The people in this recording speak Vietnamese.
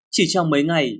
chỉ trong mấy ngày